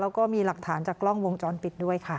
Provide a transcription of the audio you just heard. แล้วก็มีหลักฐานจากกล้องวงจรปิดด้วยค่ะ